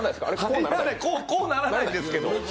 こうならないんですけど。